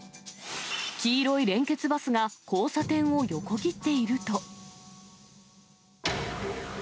黄色い連結バスが交差点を横切っていると。